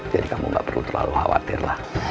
jadi kamu gak perlu terlalu khawatir lah